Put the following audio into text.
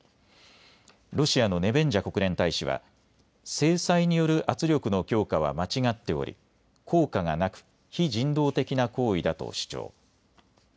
ロシアのネベンジャ国連大使は制裁による圧力の強化は間違っており効果がなく非人道的な行為だと主張。